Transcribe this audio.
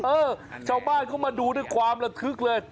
เออเช่าบ้านเขามาดูแล้วความระทึกเลย